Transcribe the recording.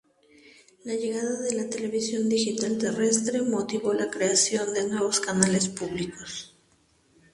La llegada de la televisión digital terrestre motivó la creación de nuevos canales públicos.